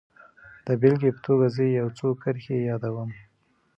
د بېلګې په توګه زه يې يو څو کرښې يادوم.